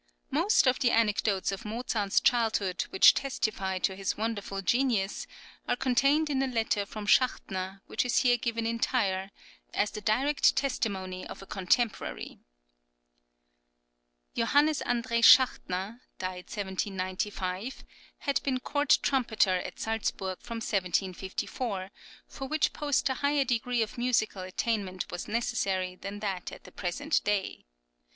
Most of the anecdotes of Mozart's childhood which testify to his wonderful genius, are contained in a letter from {SCHACHTNER.} (21) Schachtner, which is here given entire, as the direct testimony of a contemporary. Joh. André Schachtner (died 1795) had been court trumpeter at Salzburg from 1754, for which post a higher degree of musical attainment was necessary then than at the present day.